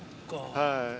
はい。